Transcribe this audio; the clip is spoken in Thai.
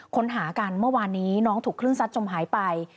ค้นหากันเมื่อวานนี้น้องถูกคลื่นซัดจมหายไป